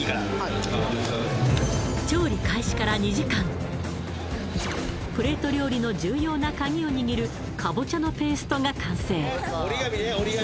調理開始から２時間プレート料理の重要なカギを握るカボチャのペーストが完成